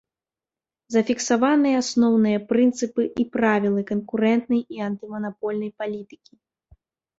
Зафіксаваныя асноўныя прынцыпы і правілы канкурэнтнай і антыманапольнай палітыкі.